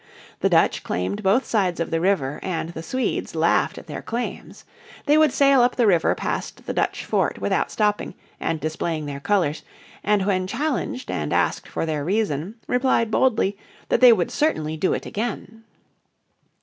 The Dutch claimed both sides of the river and the Swedes laughed at their claims. They would sail up the river past the Dutch fort without stopping and displaying their colours, and when challenged, and asked for their reason, replied boldly that they would certainly do it again.